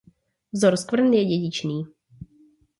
Vzor skvrn je dědičný.